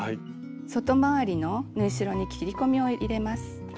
外回りの縫い代に切り込みを入れます。